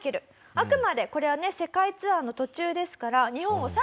あくまでこれはね世界ツアーの途中ですから。